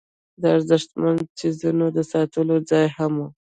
د ارزښتمنو څیزونو د ساتلو ځای هم و.